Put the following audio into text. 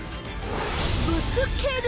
ぶつける！